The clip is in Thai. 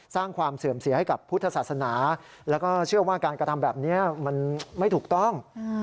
สร้างความเสื่อมเสียให้กับพุทธศาสนาแล้วก็เชื่อว่าการกระทำแบบนี้มันไม่ถูกต้อง